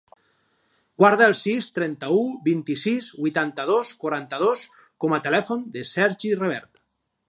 Guarda el sis, trenta-u, vint-i-sis, vuitanta-dos, quaranta-dos com a telèfon del Sergi Revert.